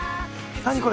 何これ？